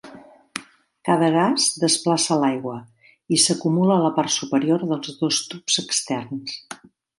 Cada gas desplaça l'aigua i s'acumula a la part superior dels dos tubs externs.